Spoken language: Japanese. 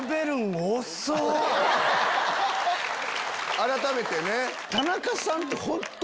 改めてね。